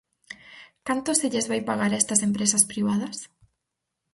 ¿Canto se lles vai pagar a estas empresas privadas?